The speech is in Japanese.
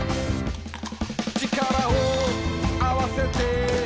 「力をあわせて」